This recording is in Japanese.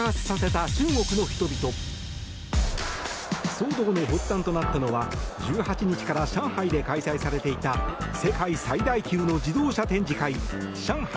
騒動の発端となったのは１８日から上海で開催されていた世界最大級の自動車展示会上海